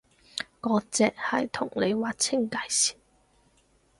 割蓆係同你劃清界線